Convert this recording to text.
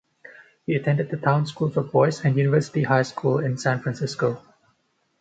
He attended the Town School for Boys and University High School in San Francisco.